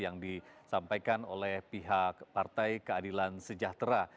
yang disampaikan oleh pihak partai keadilan sejahtera